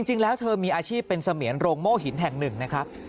จริงแล้วเธอมีอาชีพเป็นเสมียนโรงโม่หินแห่งหนึ่งนะครับ